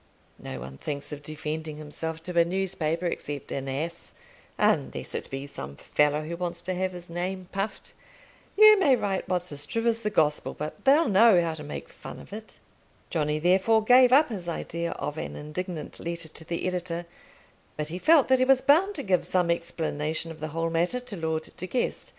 No one thinks of defending himself to a newspaper except an ass; unless it be some fellow who wants to have his name puffed. You may write what's as true as the gospel, but they'll know how to make fun of it." Johnny therefore gave up his idea of an indignant letter to the editor, but he felt that he was bound to give some explanation of the whole matter to Lord De Guest.